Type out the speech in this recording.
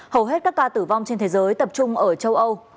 hầu hết các ca tử vong trên thế giới tập trung ở châu âu